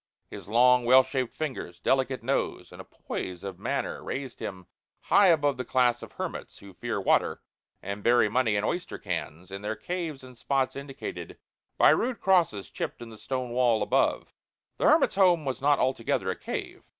His long, well shaped fingers, delicate nose, and poise of manner raised him high above the class of hermits who fear water and bury money in oyster cans in their caves in spots indicated by rude crosses chipped in the stone wall above. The hermit's home was not altogether a cave.